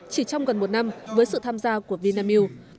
chỉ trong gần một năm với sự tham gia của vinamilk